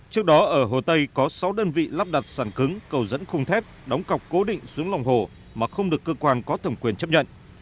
trước đó ở hồ tây có sáu đơn vị lắp đặt sàn cứng cầu dẫn khung thép đóng cọc cố định xuống lòng hồ mà không được cơ quan có thẩm quyền chấp nhận